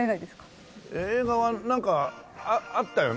映画はなんかあったよね？